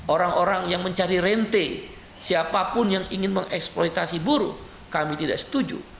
orang orang yang mencari rente siapapun yang ingin mengeksploitasi buruh kami tidak setuju